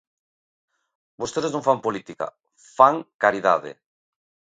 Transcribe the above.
Vostedes non fan política, fan caridade.